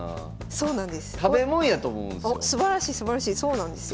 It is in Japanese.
そうなんですよ。